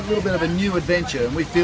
sedikit adventure baru